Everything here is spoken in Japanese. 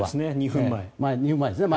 ２分前ですね。